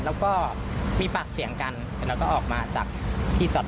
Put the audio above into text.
แล้วก็แยกย้ายกันไปเธอก็เลยมาแจ้งความ